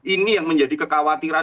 ini yang menjadi kekhawatiran